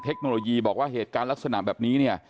เทคโนโลยีบอกว่าเหตุการณ์ลักษณะแบบนี้เนี่ย